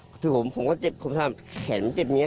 กระทืบผมผมก็เจ็บแขนมันเจ็บอย่างเงี้ย